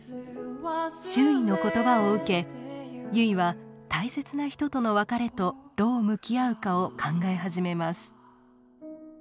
周囲の言葉を受け結は大切な人との別れとどう向き合うかを考え始めます。